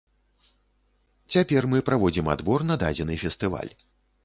Цяпер мы праводзім адбор на дадзены фестываль.